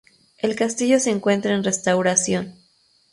El castillo se encuentra en restauración.